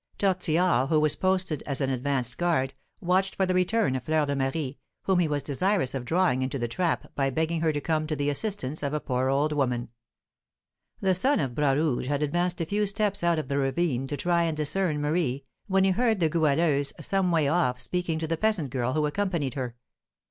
Tortillard, who was posted as an advanced guard, watched for the return of Fleur de Marie, whom he was desirous of drawing into the trap by begging her to come to the assistance of a poor old woman. The son of Bras Rouge had advanced a few steps out of the ravine to try and discern Marie, when he heard the Goualeuse some way off speaking to the peasant girl who accompanied her.